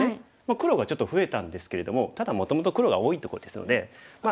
黒がちょっと増えたんですけれどもただもともと黒が多いところですのでまあ